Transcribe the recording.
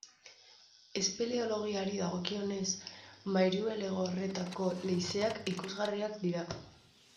Espeleologiari dagokionez, Mairuelegorretako leizeak ikusgarriak dira.